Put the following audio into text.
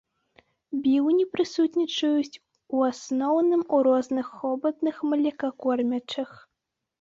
Біўні прысутнічаюць у асноўным у розных хобатных млекакормячых.